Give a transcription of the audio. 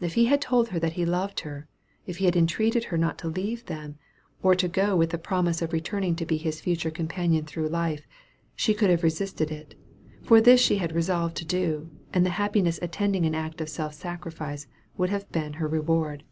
If he had told her that he loved her if he had entreated her not to leave them, or to go with the promise of returning to be his future companion through life she could have resisted it; for this she had resolved to do; and the happiness attending an act of self sacrifice would have been her reward.